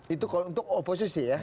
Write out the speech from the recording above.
itu untuk oposisi ya